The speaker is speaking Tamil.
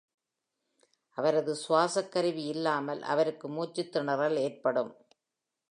அவரது சுவாசக் கருவி இல்லாமல் அவருக்கு மூச்சுத்திணறல் ஏற்படும்.